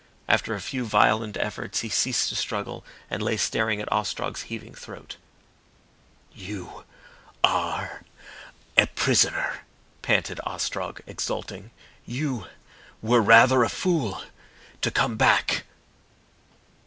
After a few violent efforts he ceased to struggle and lay staring at Ostrog's heaving throat. "You are a prisoner," panted Ostrog, exulting. "You were rather a fool to come back."